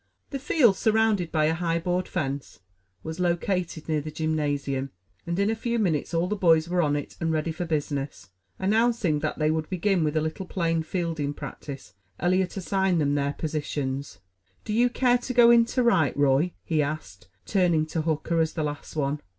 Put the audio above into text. The field, surrounded by a high board fence, was located near the gymnasium, and in a few minutes all the boys were on it and ready for business. Announcing that they would begin with a little plain fielding practice, Eliot assigned them to their positions. "Do you care to go into right, Roy?" he asked, turning to Hooker as the last one.